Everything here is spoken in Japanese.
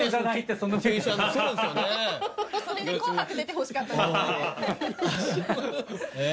それで「紅白」出てほしかったですねえっ？